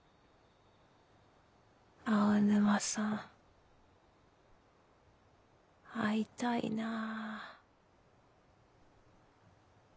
青沼さん会いたいなぁ。